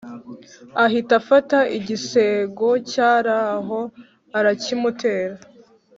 ahita afata igisego cyaraho arakimutera,